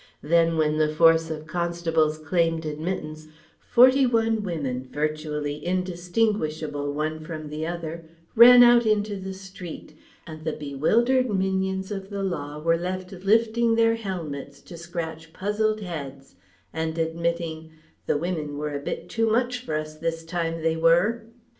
Thus, when the force of constables claimed admittance, forty one women, virtually indistinguishable one from the other, ran out into the street, and the bewildered minions of the law were left lifting their helmets to scratch puzzled heads and admitting "the wimmen were a bit too much for us, this time, they were."